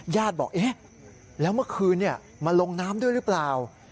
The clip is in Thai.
ญาติบอกเอ๊ะแล้วเมื่อคืนเนี่ยมาลงน้ำด้วยรึเปล่า